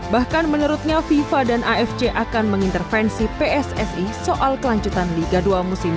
bahkan menurutnya fifa dan afc akan mengintervensi pssi soal kelanjutan liga dua musim dua ribu dua puluh dua dua ribu dua puluh tiga